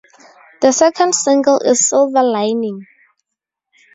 The second single is "Silver Lining".